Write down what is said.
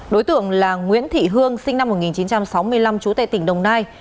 đối tượng là nguyễn thị hương sinh năm một nghìn chín trăm sáu mươi năm chú tệ tỉnh đồng nai